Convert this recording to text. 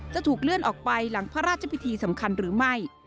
จะถูกเลื่อนออกไปหลังพระราชพิธีสำคัญหรือไม่